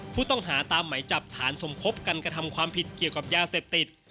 ผู้ต้องหาตามไหมจับฐานสมคบกันกระทำความผิดเกี่ยวกับยาเสพติด